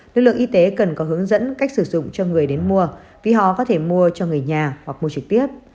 lực lượng y tế cần có hướng dẫn cách sử dụng cho người đến mua vì họ có thể mua cho người nhà hoặc mua trực tiếp